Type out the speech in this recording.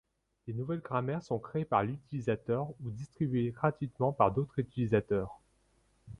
Des nouvelles grammaires sont créées par l'utilisateur ou distribuées gratuitement par d'autres utilisateurs.